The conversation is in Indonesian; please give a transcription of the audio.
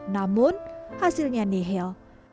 namun hasilnya nihil